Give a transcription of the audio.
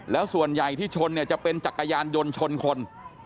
แล้วส่วนใหญ่ที่ชนเนี่ยจะเป็นจักรยานยนต์ชนคน